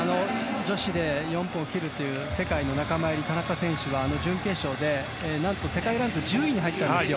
女子で４分を切るという世界の仲間入り、田中選手は準決勝で何と世界ランク１０位に入ったんですよ。